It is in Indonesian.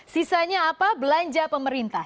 sisanya apa belanja pemerintah